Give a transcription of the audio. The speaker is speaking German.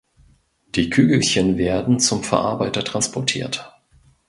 Die Kügelchen werden zum Verarbeiter transportiert.